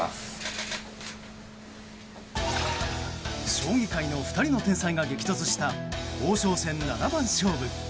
将棋界の２人の天才が激突した王将戦七番勝負。